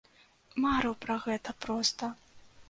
Марыў пра гэта проста!